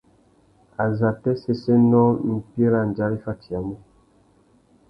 Azatê séssénô mpí râ andjara i fatiyamú?